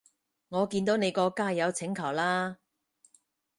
我見到你個加友請求啦